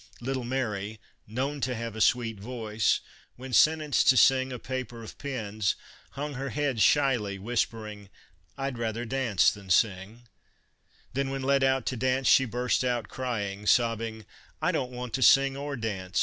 Little Mary , known to have a sweet voice, when sentenced to sing " A Paper of Pins," hung her head shyly, whispering :" I 'd rather dance than sing," then when led out to dance she burst out crying, sobbing: " I don't want to sing or dance.